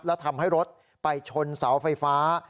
และทำให้รถไปชนเสาไฟฟ้า